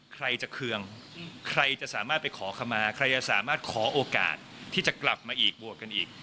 ใครจะเคืองใครจะสามารถไปขอคำมาใครจะสามารถขอโอกาสที่จะกลับมาอีกบวกกันอีก